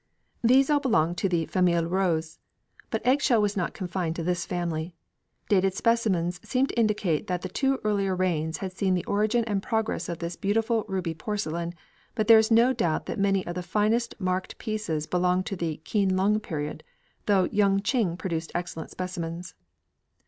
These all belong to the "famille rose." But eggshell was not confined to this family. Dated specimens seem to indicate that the two earlier reigns had seen the origin and progress of this beautiful ruby porcelain, but there is no doubt that many of the finest of the marked pieces belonged to the Keen lung period, though Yung ching produced excellent specimens.